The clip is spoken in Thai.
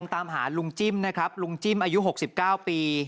ตามหาลุงจิ้มนะครับลุงจิ้มอายุหกสิบเก้าปี